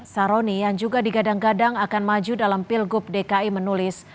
saroni yang juga digadang gadang akan maju dalam pilgub dki menulis